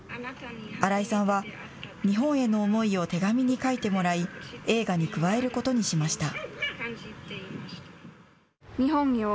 新井さんは日本への思いを手紙に書いてもらい映画に加えることにしました。